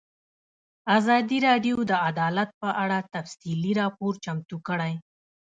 ازادي راډیو د عدالت په اړه تفصیلي راپور چمتو کړی.